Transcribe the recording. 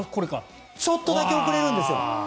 ちょっとだけ遅れるんです。